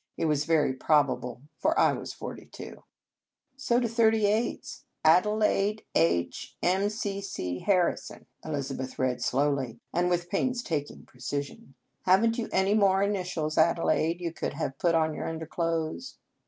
It was very probable, for I was forty two. "So do thirty eight s." "Adelaide H. McC. Harrison,"Eliz abeth read slowly, and with pains taking precision. " Have n t you any more initials, Adelaide, you could have put on your underclothes?